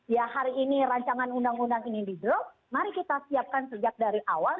ya hari ini rancangan undang undang ini di drop mari kita siapkan sejak dari awal